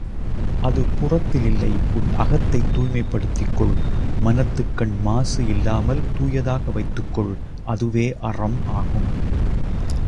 அது புறத்தில் இல்லை உன் அகத்தைத் தூய்மைப்படுத்திக்கொள் மனத்துக்கண் மாசு இல்லாமல் தூயதாக வைத்துக்கொள் அதுவே அறம் ஆகும்.